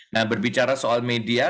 nah berbicara soal media